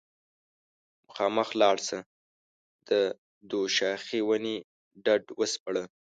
مخامخ لاړه شه د دوشاخې ونې ډډ وسپړه